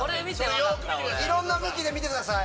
いろんな向きで見てください。